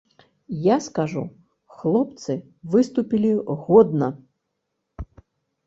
Я скажу, хлопцы выступілі годна!